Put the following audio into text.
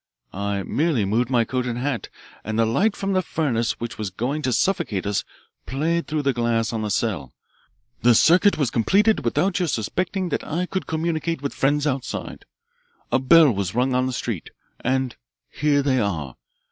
I merely moved my coat and hat, and the light from the furnace which was going to suffocate us played through the glass on the cell, the circuit was completed without your suspecting that I could communicate with friends outside, a bell was rung on the street, and here they are.